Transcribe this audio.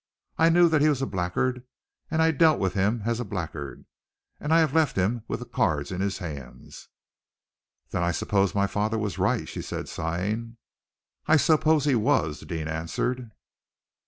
I knew that he was a blackguard, and I dealt with him as a blackguard, and I have left him with the cards in his hands." "Then I suppose my father was right," she said, sighing. "I suppose he was," Deane answered.